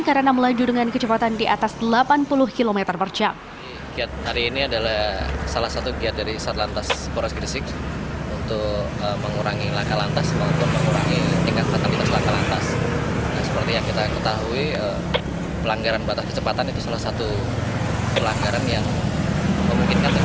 karena melaju dengan kecepatan di atas delapan puluh km per jam